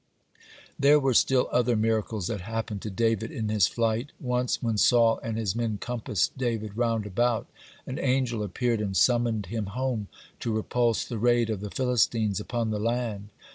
(48) There were still other miracles that happened to David in his flight. Once, when Saul and his men compassed David round about, an angel appeared and summoned him home, to repulse the raid of the Philistines upon the land.